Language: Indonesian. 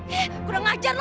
eh gue udah ngajar lo